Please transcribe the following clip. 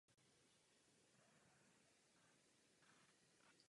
Buddhismus i džinismus jsou součástí indické tradice.